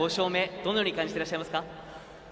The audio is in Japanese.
どのように感じてらっしゃいますか？